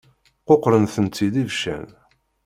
Quqṛen-tent-id ibeccan.